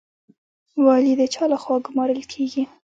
والي د چا لخوا ګمارل کیږي؟